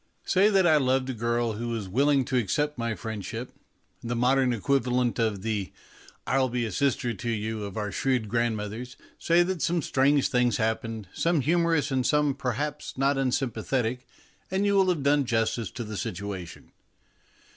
Say that I loved a girl who was willing to accept my friendship, the modern equivalent of the " I'll be a sister to you " of our shrewd grandmothers, say that some strange things happened, some humorous and some, perhaps, not unsym pathetic, and you will have done justice to the situation.